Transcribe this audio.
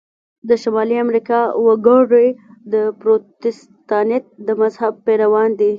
د شمالي امریکا وګړي د پروتستانت د مذهب پیروان دي.